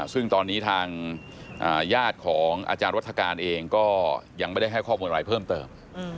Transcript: ซึ่งตอนนี้ทางญาติของอาจารย์วัฒกาลเองก็ยังไม่ได้ให้ข้อมูลอะไรเพิ่มเติม